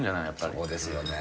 そうですよね。